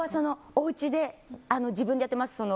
お家で自分でやってます。